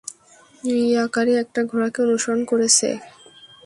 ইয়াকারি একটা ঘোড়াকে অনুসরণ করেছে।